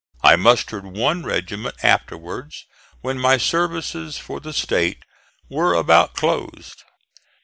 I mustered one regiment afterwards, when my services for the State were about closed.